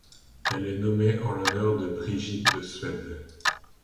Elle est nommée en l'honneur de Brigitte de Suède.